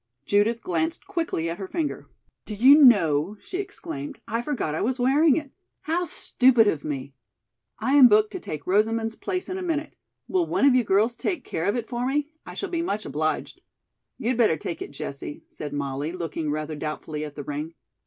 Judith glanced quickly at her finger. "Do you know," she exclaimed, "I forgot I was wearing it? How stupid of me! I am booked to take Rosamond's place in a minute. Will one of you girls take care of it for me? I shall be much obliged." "You'd better take it, Jessie," said Molly, looking rather doubtfully at the ring.